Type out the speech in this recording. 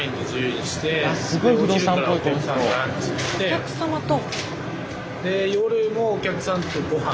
お客様と？